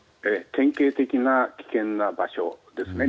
典型的な危険な場所ですね。